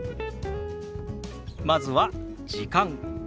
まずは「時間」。